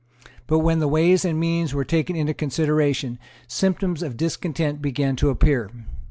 But when the Ways and Means were taken into consideration, symptoms of discontent began to appear.